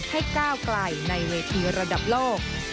ก้าวไกลในเวทีระดับโลก